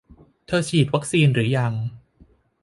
เธอฉีดวัคซีนหรือยัง